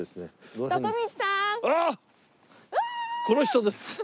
この人です。